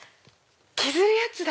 削るやつだ！